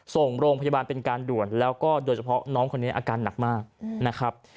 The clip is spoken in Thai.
ส่งโรงพยาบาลเป็นการด่วนแล้วก็โดยเฉพาะน้องคนนี้อาการหนักมากนะครับ